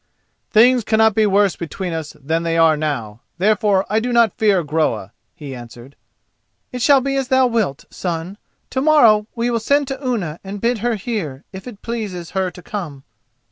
"Things cannot be worse between us than they are now, therefore I do not fear Groa," he answered. "It shall be as thou wilt, son; to morrow we will send to Unna and bid her here, if it pleases her to come."